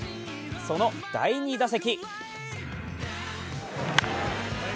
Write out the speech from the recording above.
その第２打席。